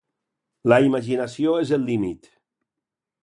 La imaginació és el límit.